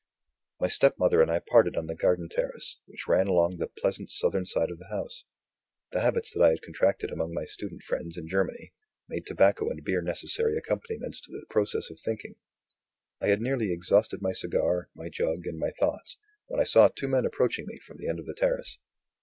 My stepmother and I parted on the garden terrace, which ran along the pleasant southern side of the house. The habits that I had contracted, among my student friends in Germany, made tobacco and beer necessary accompaniments to the process of thinking. I had nearly exhausted my cigar, my jug, and my thoughts, when I saw two men approaching me from the end of the terrace.